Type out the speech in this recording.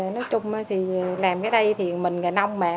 nói chung thì làm cái đây thì mình là nông mà